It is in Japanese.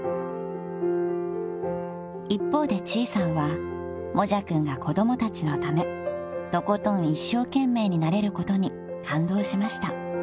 ［一方でちーさんはもじゃくんが子供たちのためとことん一生懸命になれることに感動しました］